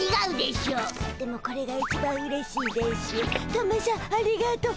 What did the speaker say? トメしゃんありがとう。